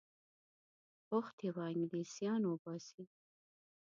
غوښتي وه انګلیسیان وباسي.